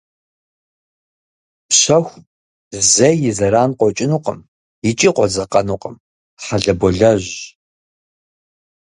Пщэху зэи и зэран къокӏынукъым икӏи къодзэкъэнукъым, хьэлэболэжьщ.